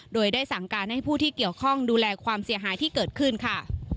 โดยได้สั่งการให้ผู้ที่เกี่ยวข้องดูแลความเสียหายที่เกิดขึ้นค่ะ